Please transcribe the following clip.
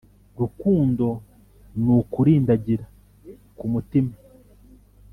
Rukundo n’ukurindagira ku mutima